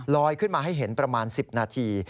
ขึ้นมาให้เห็นประมาณ๑๐นาที